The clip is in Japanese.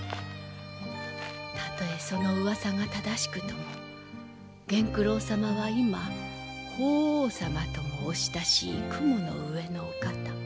たとえそのうわさが正しくとも源九郎様は今法皇様ともお親しい雲の上のお方。